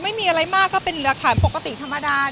ในกรณีนี้ถ้าเกิดทางนู้นเขาก็ขอไกลเกลียดหรืออะไร